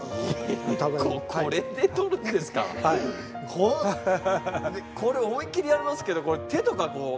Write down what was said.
ここれ思いっきりやりますけどこれ手とかこうねえ。